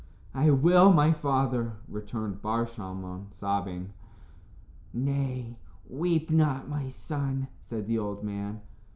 ] "I will, my father," returned Bar Shalmon, sobbing. "Nay, weep not, my son," said the old man.